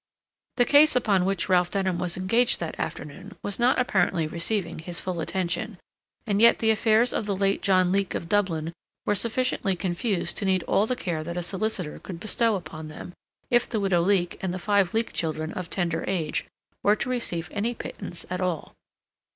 The case upon which Ralph Denham was engaged that afternoon was not apparently receiving his full attention, and yet the affairs of the late John Leake of Dublin were sufficiently confused to need all the care that a solicitor could bestow upon them, if the widow Leake and the five Leake children of tender age were to receive any pittance at all.